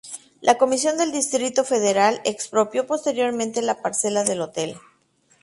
La Comisión del Distrito Federal expropió posteriormente la parcela del hotel.